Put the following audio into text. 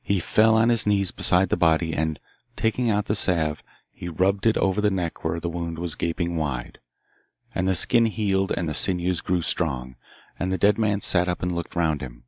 He fell on his knees beside the body, and, taking out the salve, he rubbed it over the neck where the wound was gaping wide, and the skin healed and the sinews grew strong, and the dead man sat up and looked round him.